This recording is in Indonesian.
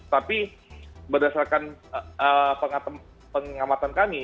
tapi berdasarkan pengamatan kami